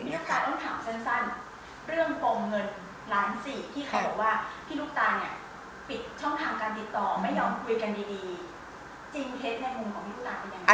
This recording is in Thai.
อาจารย์ต้องถามสั้นเรื่องโปรงเงินล้านสี่ที่เขาบอกว่าพี่ลูกตาเนี่ยปิดช่องทางการติดต่อไม่ยอมคุยกันดีจริงเท็จในมุมของลูกตาเป็นยังไง